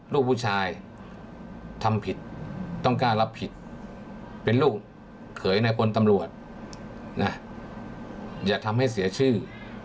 ลูกผู้ชายทำผิดต้องกล้ารับผิดเป็นลูกเขยในพลตำรวจนะอย่าทำให้เสียชื่อ